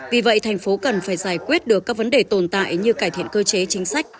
vì vậy thành phố cần phải giải quyết được các vấn đề tồn tại như cải thiện cơ chế chính sách